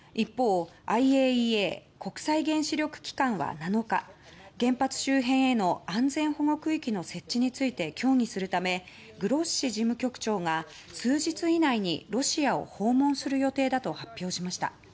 一方ＩＡＥＡ・国際原子力機関は７日原発周辺への安全保護区域の設置について協議するためグロッシ事務局長が数日以内にロシアを訪問する予定だと発表しました。